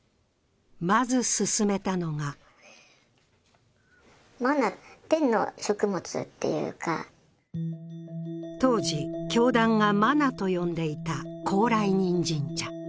まず勧めたのが当時、教団がマナと呼んでいた高麗人参茶。